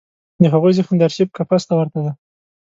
د هغوی ذهن د ارشیف قفس ته ورته دی.